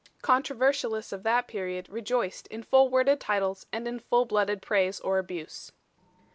Controversialists of that period rejoiced in full worded titles and in full blooded praise or abuse.